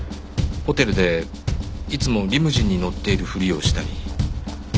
ホテルでいつもリムジンに乗っているふりをしたり。